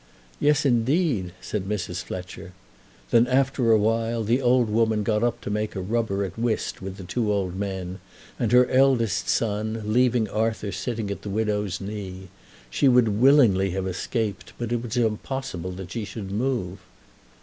"Yes, indeed," said Mrs. Fletcher. Then, after a while, the old woman got up to make a rubber at whist with the two old men and her eldest son, leaving Arthur sitting at the widow's knee. She would willingly have escaped, but it was impossible that she should move.